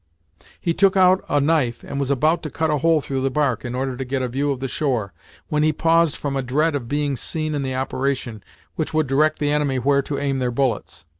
He took out a knife and was about to cut a hole through the bark, in order to get a view of the shore, when he paused from a dread of being seen in the operation, which would direct the enemy where to aim their bullets.